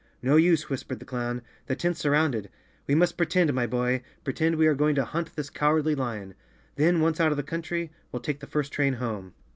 "No use," whispered the clown. "The tent's sur¬ rounded. We must pretend, my boy—pretend we are going to hunt this Cowardly Lion. Then, once out of the country, we'll take the first train home."